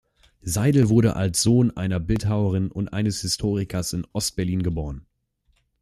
Seidel wurde als Sohn einer Bildhauerin und eines Historikers in Ost-Berlin geboren.